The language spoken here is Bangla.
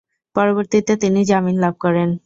পরবর্তীতে তিনি জামিন লাভ করেন।